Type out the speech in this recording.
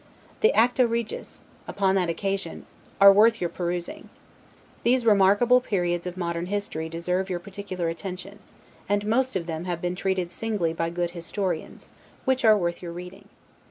The Acta Regis, upon that occasion, are worth your perusing. These remarkable periods of modern history deserve your particular attention, and most of them have been treated singly by good historians, which are worth your reading.